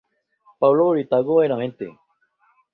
Pablo Buitrago Benavente.